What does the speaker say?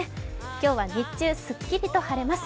今日は日中すっきりと晴れます。